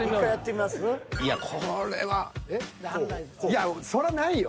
いやそれはないよ。